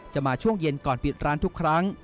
มาช่วงเย็นก่อนปิดร้านทุกครั้ง